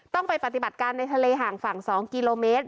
ต้องไปปฏิบัติการในทะเลห่างฝั่ง๒กิโลเมตร